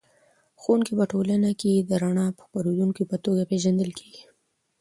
ښوونکی په ټولنه کې د رڼا د خپروونکي په توګه پېژندل کېږي.